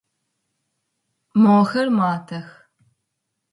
Мохэр матэх.